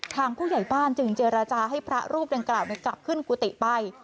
ทางผู้ใหญ่บ้านจึงเจรจาให้พระรูปดังกล่าวกลับขึ้นกุฏิไป